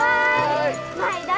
はい！